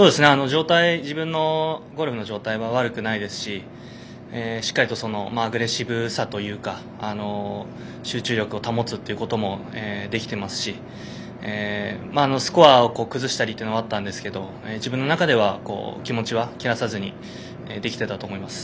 自分のゴルフの状態は悪くないですししっかりとアグレッシブさというか集中力を保つということもできてますしスコアを崩したりというのはあったんですけど自分の中では気持ちは切らさずにできていたと思います。